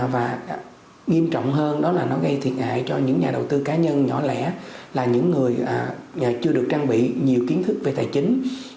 và nghiêm trọng hơn đó là nó gây thiệt hại cho những nhà đầu tư cá nhân nhỏ lẻ là những người chưa được trang bị nhiều kiến thức về tài chính